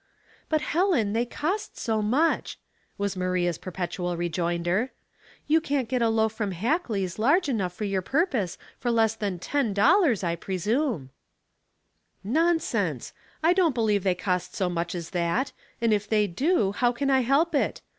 " But, Helen, they cost so much," was Maria's perpetual rejoinder. '" You can't get a loaf from Hackley's large enough for your purpose for less than ten dollars, I presume." Practical Arithmetic. 166 "Nonsense! I don't believe they cost so much as that; and if they do^ how can I help it?